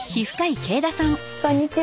こんにちは。